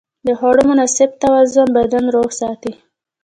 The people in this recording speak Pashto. د خوړو مناسب توازن بدن روغ ساتي.